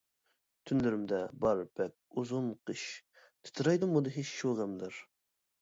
تۈنلىرىمدە بار بەك ئۇزۇن قىش، تىترەيدۇ مۇدھىش شۇ غەملەر.